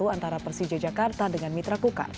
antara persija jakarta dengan mitra kukar